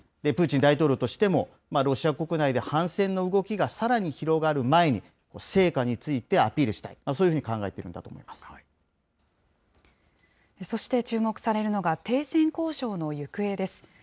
プーチン大統領としても、ロシア国内で反戦の動きがさらに広がる前に、成果についてアピールしたい、そういうふうに考えているんそして、注目されるのが、停戦交渉の行方です。